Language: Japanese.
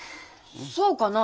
そうかな？